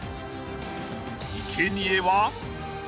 ［いけにえは］